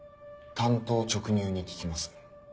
単刀直入に聞きます。